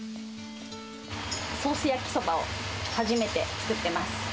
ソース焼きソバを初めて作ってます。